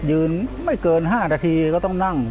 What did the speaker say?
ยืนไม่เกิน๕นาทีก็ต้องนั่ง